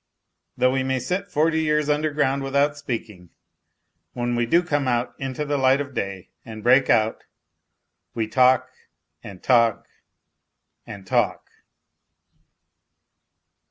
Though we may sit forty years underground without speaking, when we do come out into the light of day and break out we talk and talk and talk.